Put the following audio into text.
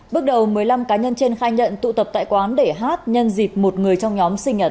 bước đầu một mươi năm cá nhân trên khai nhận tụ tập tại quán để hát nhân dịp một người trong nhóm sinh nhật